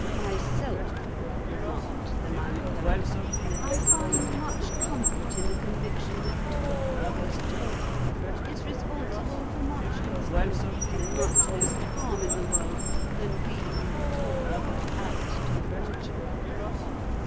"Myself," remarked the Minor Poet, "I find much comfort in the conviction that talk, as talk, is responsible for much less good and much less harm in the world than we who talk are apt to imagine.